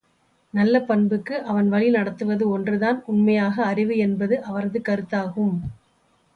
நல்ல பண்புக்கு அவன் வழி நடத்துவது ஒன்றுதான் உண்மையாக அறிவு என்பது அவரது கருத்தாகும்.